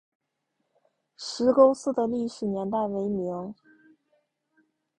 石沟寺的历史年代为明。